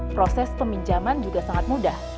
proses peminjaman juga sangat mudah